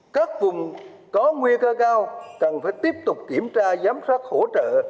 các vùng có nguy cơ cao cần phải tiếp tục kiểm tra giám sát hỗ trợ